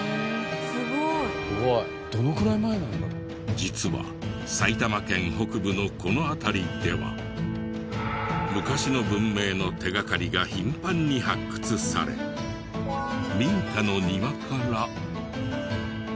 実は埼玉県北部のこの辺りでは昔の文明の手掛かりが頻繁に発掘され民家の庭から。